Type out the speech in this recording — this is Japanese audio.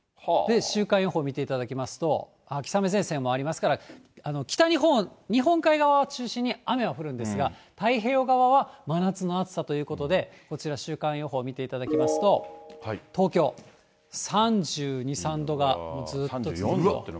週間予報見ていただきますと、秋雨前線もありますから、北日本、日本海側を中心に雨は降るんですが、太平洋側は真夏の暑さということで、こちら、週間予報見ていただきますと、東京、３２、３度がもうずーっと続いて。